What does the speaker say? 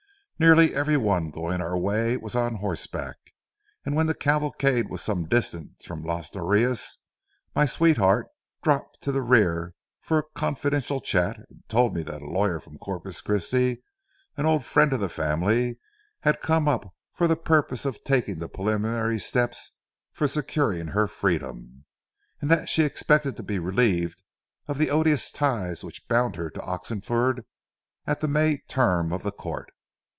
Nearly every one going our way was on horseback, and when the cavalcade was some distance from Las Norias, my sweetheart dropped to the rear for a confidential chat and told me that a lawyer from Corpus Christi, an old friend of the family, had come up for the purpose of taking the preliminary steps for securing her freedom, and that she expected to be relieved of the odious tie which bound her to Oxenford at the May term of court.